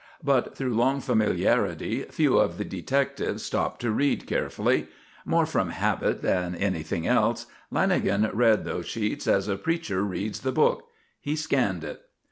But through long familiarity few of the detectives stop to read carefully. More from habit than anything else, Lanagan read those sheets as a preacher reads the book he scanned it.